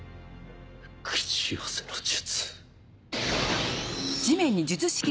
口寄せの術。